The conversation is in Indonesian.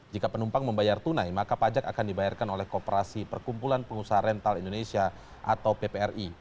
jika penumpang membayar tunai maka pajak akan dibayarkan oleh kooperasi perkumpulan pengusaha rental indonesia atau ppri